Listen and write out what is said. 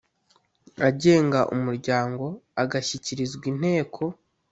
agenga umuryango agashyikirizwa inteko